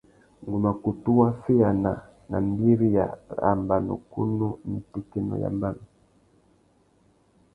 Ngu mà kutu waffeyāna nà mbîriya râ mbanukunú nà itékénô ya mbanu.